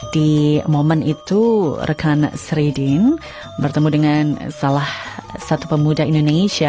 di momen itu rekan sridin bertemu dengan salah satu pemuda indonesia